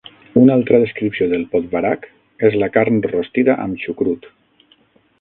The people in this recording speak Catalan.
Una altra descripció del podvarak és la carn rostida amb xucrut.